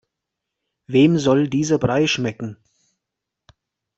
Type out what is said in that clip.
Wem soll dieser Brei schmecken?